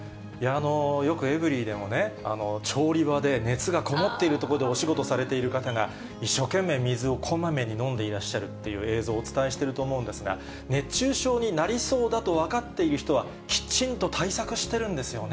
よくエブリィでも調理場で熱が籠もっている所でお仕事されている方が、一生懸命水をこまめに飲んでいらっしゃるという映像をお伝えしていると思うんですが、熱中症になりそうだと分かっている人は、きちんと対策してるんですよね。